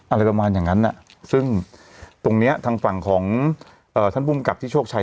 อะไรประมาณอย่างนั้นซึ่งตรงเนี้ยทางฝั่งของเอ่อท่านภูมิกับที่โชคชัย